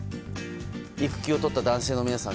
育休をとった男性の皆さん